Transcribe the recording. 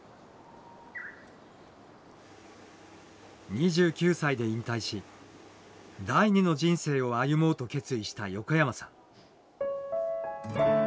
２９歳で引退し第二の人生を歩もうと決意した横山さん。